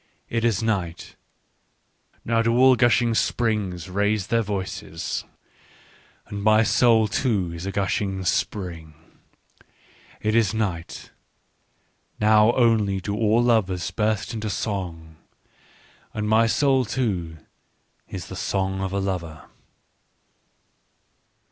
" It is night : now do all gushing springs raise their voices. And my soul too is a gushing spring. " It is night : now only do all lovers burst into song. And my soul too is the song of a lover."